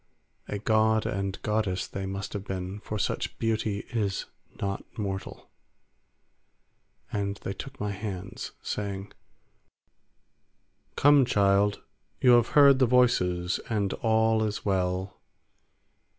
A god and goddess they must have been, for such beauty is not mortal; and they took my hands, saying, "Come, child, you have heard the voices, and all is well.